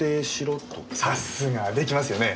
さすが。出来ますよね？